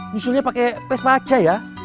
nyusulnya pakai pes pacar ya